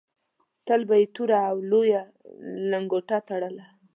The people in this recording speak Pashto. تل به یې توره او لویه لنګوټه تړله.